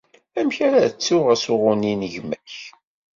Amek ara ttuɣ asuɣu-nni n gma-k?